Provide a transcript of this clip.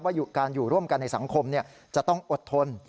การอยู่ร่วมกันในสังคมจะต้องอดทน